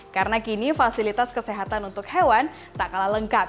karena kini fasilitas kesehatan untuk hewan tak kalah lengkap